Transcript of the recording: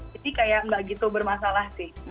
jadi kayak nggak gitu bermasalah sih